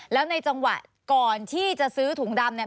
แล้วในจังหวะก่อนที่จะซื้อถุงดำเนี่ย